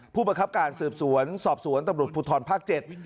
ผู้บังคับการสืบสวนสอบสวนตำรวจภูทรภาค๗